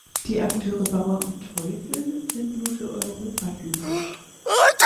Die Akteure Bauer und Teufel sind nur für Europa typisch.